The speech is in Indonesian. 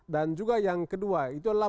dan juga yang kedua itu adalah